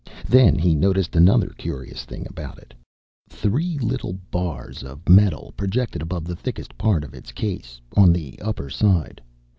Then he noticed another curious thing about it. Three little bars of metal projected above the thickest part of its case, on the upper side.